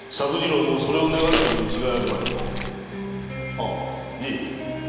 ああじい。